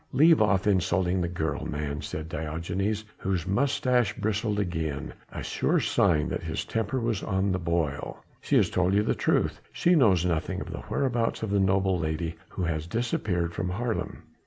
"Leave off insulting the girl, man," said Diogenes whose moustache bristled again, a sure sign that his temper was on the boil, "she has told you the truth, she knows nothing of the whereabouts of the noble lady who has disappeared from Haarlem.